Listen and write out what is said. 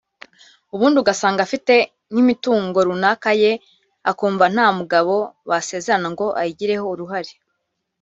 ubundi ugasanga afite nk’imitungo runaka ye akumva nta mugabo basezerana ngo ayigireho uruhare